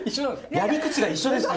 やり口が一緒ですよ！